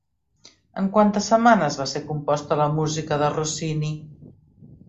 En quantes setmanes va ser composta la música de Rossini?